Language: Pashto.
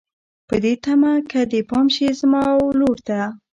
په دې تمه که دې پام شي زما ولور ته